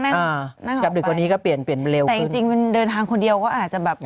ก็คือแค่นั่งออกไปแต่จริงเดินทางคนเดียวก็อาจจะแบบ